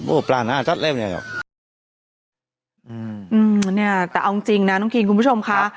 พวกปลาหน้าจัดเล่มเนี้ยครับอืมเนี้ยแต่เอาจริงนะน้องกินคุณผู้ชมค่ะ